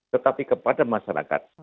tetapi kepada masyarakat